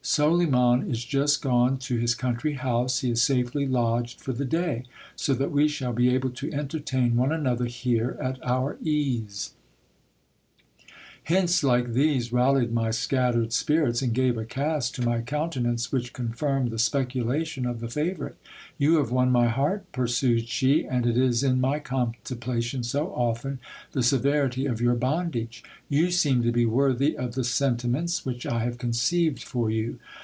Soliman is just gone to his country house : he is safely lodged for the day ; so that we shall be able to entertain one another here at our ease Hints like these rallied my scattered spirits, and gave a cast to my counte nance which confirmed the speculation of the favourite. You have won my heart, pursued she, and it is in my contemplation to soften the severity of your bondage. You seem to be worthy of the sentiments which I have conceived for you.